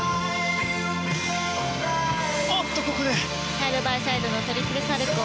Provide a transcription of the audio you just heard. サイドバイサイドのトリプルサルコウ。